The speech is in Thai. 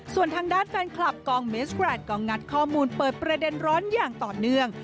ส่วนทางด้านแฟนคลับกองเมสแกรดก็งัดข้อมูลเปิดประเด็นร้อนอย่างต่อเนื่อง